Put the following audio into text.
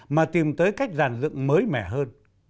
mà tìm tới cách giàn dựng mới mẻ hơn